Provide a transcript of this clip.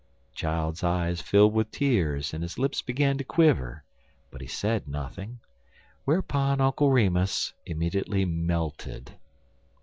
The child's eyes filled with tears and his lips began to quiver, but he said nothing; whereupon Uncle Remus immediately melted.